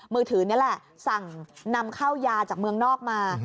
มือถือนี่แหละสั่งนำเข้ายาจากเมืองนอกมา